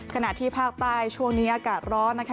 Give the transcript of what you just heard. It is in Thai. ขณะที่ภาคใต้ช่วงนี้อากาศร้อนนะคะ